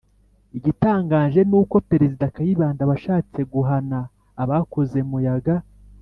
igitangaje ni uko perezida kayibanda washatse guhana abakoze muyaga